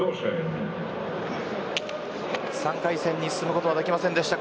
３回戦に進むことはできませんでした。